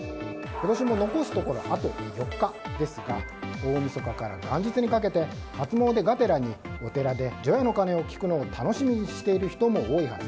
今年も残すところあと４日ですが大みそかから元日にかけて初詣がてらお寺で除夜の鐘を聞くのを楽しみにしている人も多いはず。